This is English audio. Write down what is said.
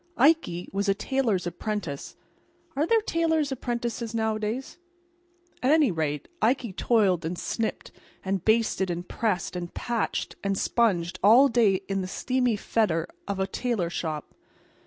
Ikey was a tailor's apprentice. Are there tailor's apprentices nowadays? At any rate, Ikey toiled and snipped and basted and pressed and patched and sponged all day in the steamy fetor of a tailor shop.